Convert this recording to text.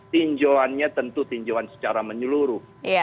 tinjauannya tentu tinjauan secara menyeluruh